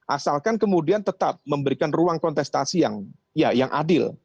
asalkan kemudian tetap memberikan ruang kontestasi yang adil